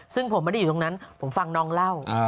ซึ่งผมไม่ได้อยู่ตรงนั้นผมฟังน้องเล่า